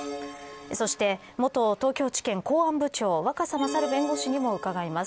そして元東京地検公安部長若狭勝弁護士にも伺います。